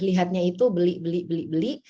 lihatnya itu beli beli beli beli